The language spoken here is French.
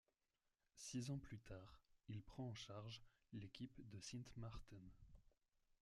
Six ans plus tard, il prend en charge l'équipe de Sint Maarten.